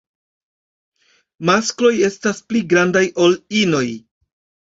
Maskloj estas pli grandaj ol inoj.